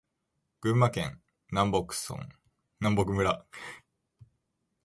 群馬県南牧村